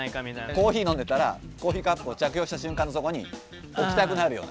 コーヒー飲んでたらコーヒーカップを着氷した瞬間にそこに置きたくなるような。